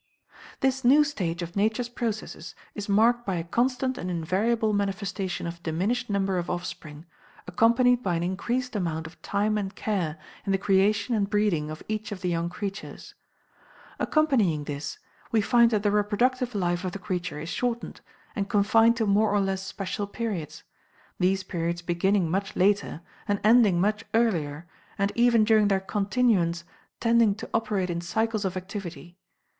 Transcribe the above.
This new stage of Nature's processes is marked by a constant and invariable manifestation of diminished number of offspring, accompanied by an increased amount of time and care in the creation and breeding of each of the young creatures. Accompanying this, we find that the reproductive life of the creature is shortened, and confined to more or less special periods; these periods beginning much later, and ending much earlier, and even during their continuance tending to operate in cycles of activity.